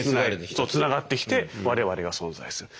そうつながってきて我々が存在する。